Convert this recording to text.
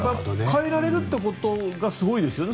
変えられることがすごいですよね。